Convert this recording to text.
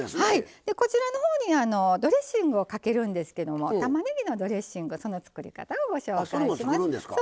こちらのほうにドレッシングをかけるんですけどもたまねぎのドレッシングその作り方をご紹介します。